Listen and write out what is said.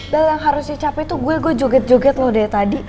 bel yang harusnya capek tuh gue gue joget joget lo dari tadi